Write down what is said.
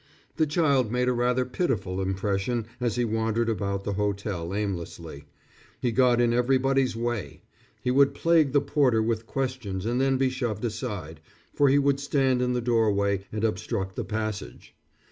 The child made a rather pitiful impression as he wandered about the hotel aimlessly. He got in everybody's way. He would plague the porter with questions and then be shoved aside, for he would stand in the doorway and obstruct the passage.